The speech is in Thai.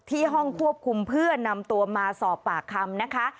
ที่ห้องควบคุมเพื่อนำตัวมาสอบปากคำนะคะ